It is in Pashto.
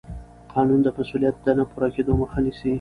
قانون د مسوولیت د نه پوره کېدو مخه نیسي.